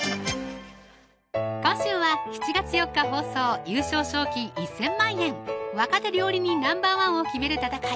今週は７月４日放送優勝賞金１０００万円若手料理人Ｎｏ．１を決める戦い